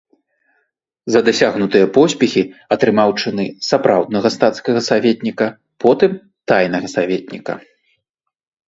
За дасягнутыя поспехі атрымаў чыны сапраўднага стацкага саветніка, потым тайнага саветніка.